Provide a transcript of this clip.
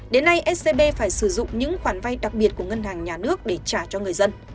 đến nay scb phải sử dụng những khoản vay đặc biệt của ngân hàng nhà nước để trả cho người dân